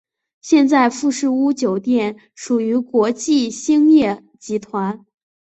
现在富士屋酒店属于国际兴业集团。